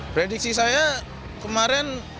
prediksi saya kemarin